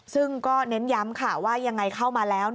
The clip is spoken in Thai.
ซึ่งก็เน้นย้ำค่ะว่ายังไงเข้ามาแล้ว